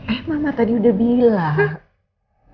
eh mama tadi udah bilang